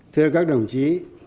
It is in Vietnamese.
thưa các đồng chí